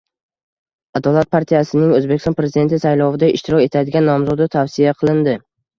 “Adolat” partiyasining O‘zbekiston Prezidenti saylovida ishtirok etadigan nomzodi tavsiya qilindi